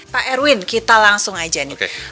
pak erwin kita langsung aja nih